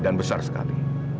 dan besar sekali